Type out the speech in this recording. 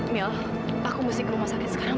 mil aku mesti ke rumah sakit sekarang